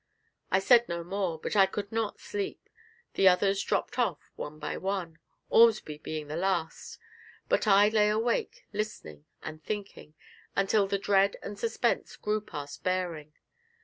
I said no more, but I could not sleep; the others dropped off one by one, Ormsby being the last; but I lay awake listening and thinking, until the dread and suspense grew past bearing.